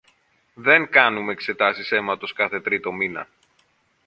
δεν κάνουμε εξετάσεις αίματος κάθε τρίτο μήνα